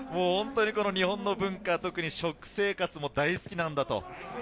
日本の文化、特に食生活も大好きなんだと。